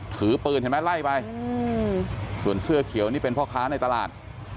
ถือปืนเห็นไหมไล่ไปส่วนเสื้อเขียวนี่เป็นพ่อค้าในตลาด